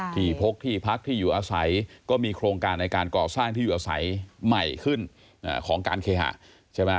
พกที่พักที่อยู่อาศัยก็มีโครงการในการก่อสร้างที่อยู่อาศัยใหม่ขึ้นของการเคหะใช่ไหม